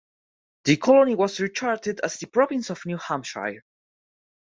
The colony was recharted as the Province of New Hampshire.